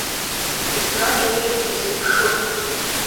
Еснагь аӡәы дизыԥшуп.